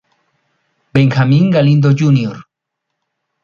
Benjamín Galindo Jr.